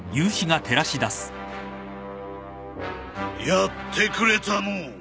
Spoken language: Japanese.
やってくれたのう。